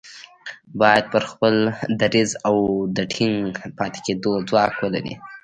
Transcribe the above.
بايد پر خپل دريځ د ټينګ پاتې کېدو ځواک ولري.